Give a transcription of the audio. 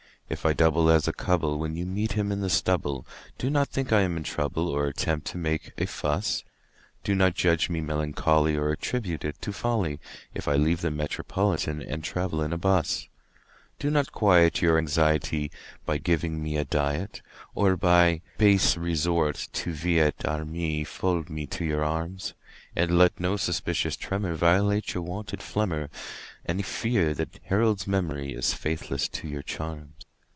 If I double as a cub'll when you meet him in the stubble, Do not think I am in trouble or at tempt to make a fuss ; Do not judge me melancholy or at tribute it to folly If I leave the Metropolitan and travel 'n a bus Do not quiet your anxiety by giving me a diet, Or by base resort to vi et armis fold me to your arms, And let no suspicious tremor violate your wonted phlegm or Any fear that Harold's memory is faithless to your charms.